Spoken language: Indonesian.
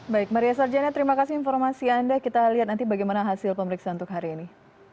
baik maria sarjana terima kasih informasi anda kita lihat nanti bagaimana hasil pemeriksaan untuk hari ini